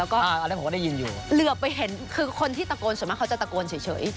คือตะโกนเยอะมากเรือบไปเห็นคือคนที่ตะโกนส่วนมากเขาจะตะโกนเฉย